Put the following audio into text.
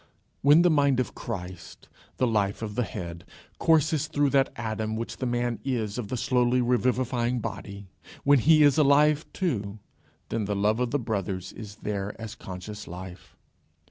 When the mind of Christ, the life of the Head, courses through that atom which the man is of the slowly revivifying body, when he is alive too, then the love of the brothers is there as conscious life.